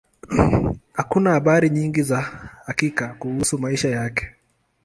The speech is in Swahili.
Hakuna habari nyingi za hakika kuhusu maisha yake.